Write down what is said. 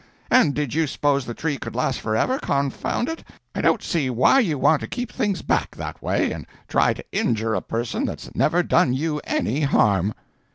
And did you s'pose the tree could last forever, confound it? I don't see why you want to keep back things that way, and try to injure a person that's never done you any harm."